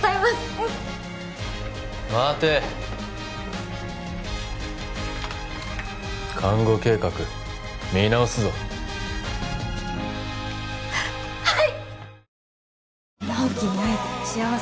うん待て看護計画見直すぞはい！